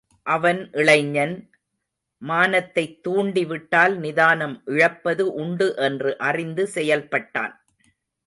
அவன் இளைஞன், மானத்தைத் தூண்டி விட்டால் நிதானம் இழப்பது உண்டு என்று அறிந்து செயல்பட்டான்.